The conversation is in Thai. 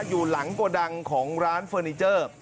อยู่หลังโกดังของร้านเฟอร์นิเจอร์